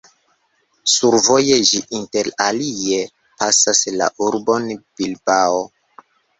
Survoje ĝi inter alie pasas la urbon Bilbao.